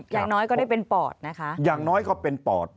อย่างน้อยก็ได้เป็นปอดนะคะอย่างน้อยก็เป็นปอด